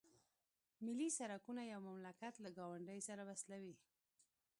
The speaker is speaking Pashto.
ملي سرکونه یو مملکت له ګاونډیو سره وصلوي